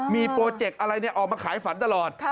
มีโปรเจกต์อะไรออกมาขายฝันตลอด